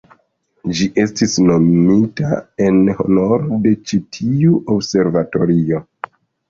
Ĝi estis nomita en honoro de ĉi-tiu observatorio.